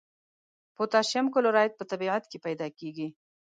پوتاشیم کلورایډ په طبیعت کې پیداکیږي.